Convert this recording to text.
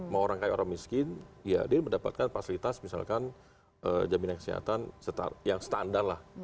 mau orang kayak orang miskin ya dia mendapatkan fasilitas misalkan jaminan kesehatan yang standar lah